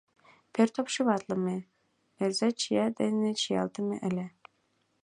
Пӧрт обшиватлыме, ӧрза чия дене чиялтыме ыле.